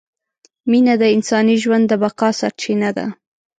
مینه د انساني ژوند د بقاء سرچینه ده!